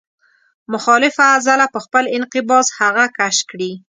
مخالفه عضله په خپل انقباض هغه کش کړي.